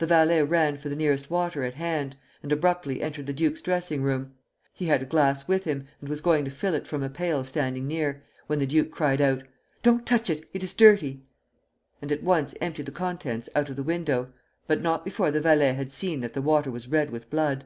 The valet ran for the nearest water at hand, and abruptly entered the duke's dressing room. He had a glass with him, and was going to fill it from a pail standing near, when the duke cried out: "Don't touch it; it is dirty;" and at once emptied the contents out of the window, but not before the valet had seen that the water was red with blood.